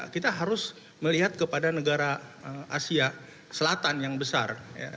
kita harus melihat kepada negara asia selatan yang besar